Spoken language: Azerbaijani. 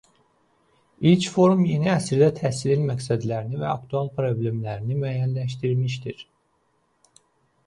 İlk Forum yeni əsrdə təhsilin məqsədlərini və aktual problemlərini müəyyənləşdirmişdir.